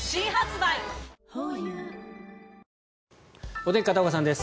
お天気、片岡さんです。